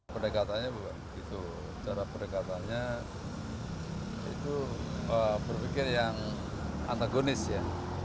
perdekatannya bukan begitu cara perdekatannya itu berpikir yang antagonis ya